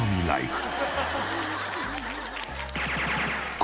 はい。